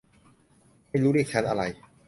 ไม่รู้เรียกชั้นอะไร